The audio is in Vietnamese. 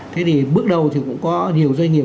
thế thì bước đầu thì cũng có nhiều doanh nghiệp